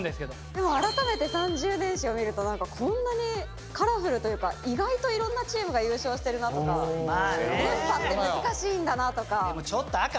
でも改めて３０年史を見るとこんなにカラフルというか意外といろんなチームが優勝しているなとか連覇って難しいんだなとか。